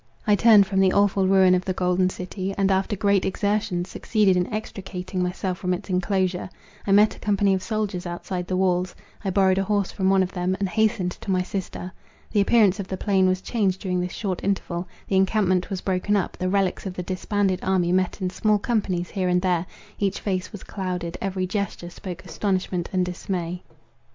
I turned from the awful ruin of the Golden City, and, after great exertion, succeeded in extricating myself from its enclosure. I met a company of soldiers outside the walls; I borrowed a horse from one of them, and hastened to my sister. The appearance of the plain was changed during this short interval; the encampment was broken up; the relics of the disbanded army met in small companies here and there; each face was clouded; every gesture spoke astonishment and dismay.